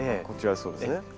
こちらそうですね。